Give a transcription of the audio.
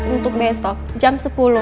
untuk besok jam sepuluh